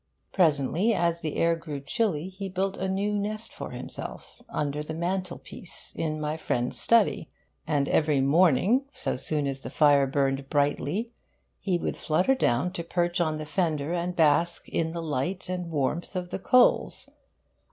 Presently, as the air grew chilly, he built a new nest for himself, under the mantelpiece in my friend's study. And every morning, so soon as the fire burned brightly, he would flutter down to perch on the fender and bask in the light and warmth of the coals.